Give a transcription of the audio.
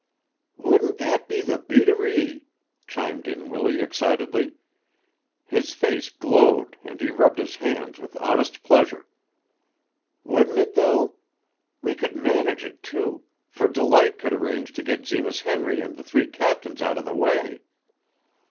"Wouldn't that be the beateree!" chimed in Willie excitedly. His face glowed and he rubbed his hands with honest pleasure. "Wouldn't it, though? We could manage it, too, for Delight could arrange to get Zenas Henry an' the three captains out of the way.